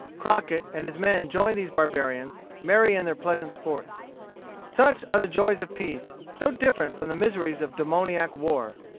Crockett and his men joined these barbarians, merry in their pleasant sports. Such are the joys of peace, so different from the miseries of demoniac war.